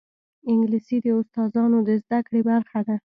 انګلیسي د استاذانو د زده کړې برخه ده